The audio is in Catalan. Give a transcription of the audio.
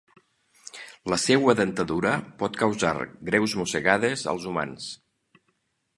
La seua dentadura pot causar greus mossegades als humans.